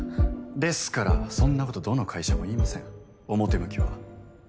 ですからそんなことどの会社も言いません表向きは。